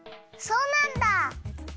そうなんだ！